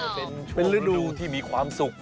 เป็นฤดูที่มีความสุข